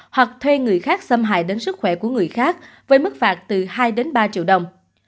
hoặc thuê người khác xâm hại đến sức khỏe của người khác với mức phạt từ hai đến ba triệu đồng